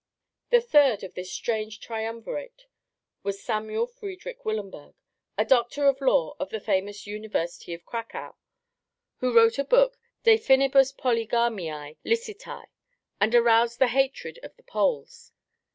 The third of this strange triumvirate was Samuel Friedrich Willenberg, a doctor of law of the famous University of Cracow, who wrote a book De finibus polygamiae licitae and aroused the hatred of the Poles.